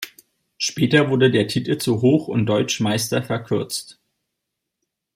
Später wurde der Titel zu "Hoch- und Deutschmeister" verkürzt.